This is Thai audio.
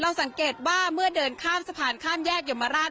สังเกตว่าเมื่อเดินข้ามสะพานข้ามแยกยมราช